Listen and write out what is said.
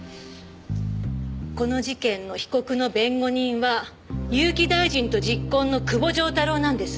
この事件の被告の弁護人は結城大臣と昵懇の久保丈太郎なんです。